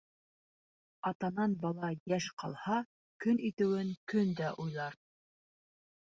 Атанан бала йәш ҡалһа, көн итеүен көндә уйлар.